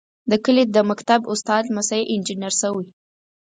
د کلي د مکتب استاد لمسی انجنیر شوی.